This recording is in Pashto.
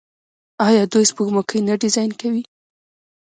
آیا دوی سپوږمکۍ نه ډیزاین کوي؟